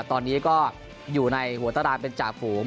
ตอนนี้ก็อยู่ในหัวตารางเป็นจ่าฝูง